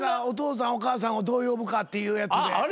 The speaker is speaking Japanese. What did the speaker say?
お父さんお母さんをどう呼ぶかっていうやつで。